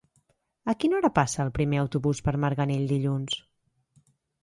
A quina hora passa el primer autobús per Marganell dilluns?